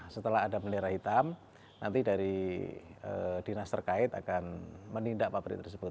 setelah ada bendera hitam nanti dari dinas terkait akan menindak pabrik tersebut